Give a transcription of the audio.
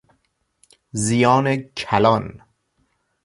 زیان کلان